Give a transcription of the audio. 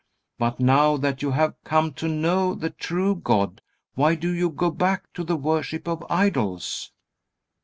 But now that you have come to know the true God, why do you go back to the worship of idols?"